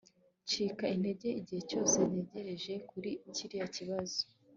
Ncika intege igihe cyose ntekereje kuri kiriya kibazo